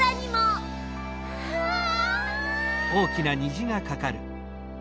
わあ！